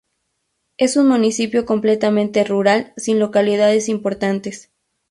Es un municipio completamente rural sin localidades importantes.